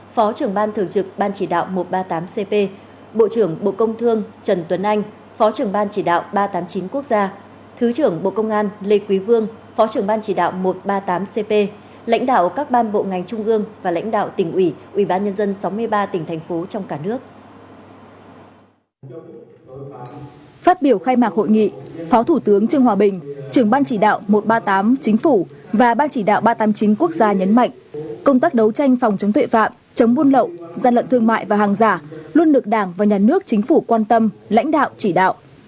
phát biểu khai mạc hội nghị phó thủ tướng trương hòa bình trưởng ban chỉ đạo một trăm ba mươi tám chính phủ và ban chỉ đạo ba trăm tám mươi chín quốc gia nhấn mạnh công tác đấu tranh phòng chống tuệ phạm chống buôn lậu gian lận thương mại và hàng giả luôn được đảng và nhà nước chính phủ quan tâm lãnh đạo chỉ đạo